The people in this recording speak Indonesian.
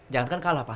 jangan kalah pak